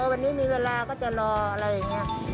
วันนี้มีเวลาก็จะรออะไรอย่างนี้